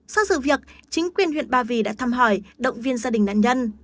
sau sự việc chính quyền huyện ba vì đã thăm hỏi động viên gia đình nạn nhân